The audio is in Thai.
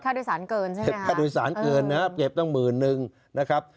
สารเกินใช่ไหมเก็บค่าโดยสารเกินนะครับเก็บตั้งหมื่นนึงนะครับ